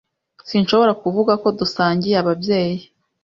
Sinshobora kuvuga ko dusangiye ababyeyi.